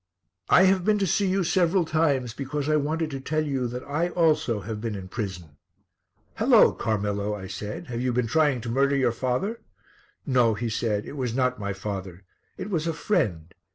"I have been to see you several times because I wanted to tell you that I also have been in prison." "Hullo! Carmelo," I said, "have you been trying to murder your father?" "No," he said, "it was not my father. It was a friend.